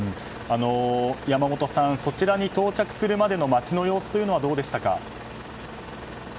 山本さんそちらに到着するまでの町の様子はどうでしたか？